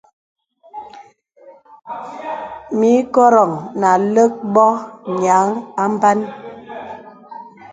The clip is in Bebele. Mì ìkòrōŋ nà àlə̀k bô nīaŋ à mbānə.